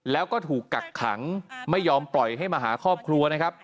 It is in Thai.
แล้วก็ถูกกักขังไม่ยอมปล่อยให้มาหาครอบครัวนะครับ